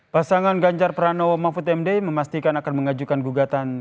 pasangan ganjar pranowo mahfud md memastikan akan mengajukan gugatan